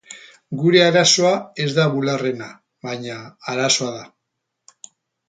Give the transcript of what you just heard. Gure arazoa ez da bularrena, baina arazoa da.